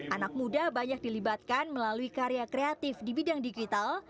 anak muda banyak dilibatkan melalui karya kreatif di bidang digital